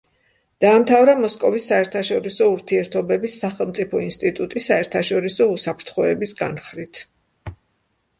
დაამთავრა მოსკოვის საერთაშორისო ურთიერთობების სახელმწიფო ინსტიტუტი საერთაშორისო უსაფრთხოების განხრით.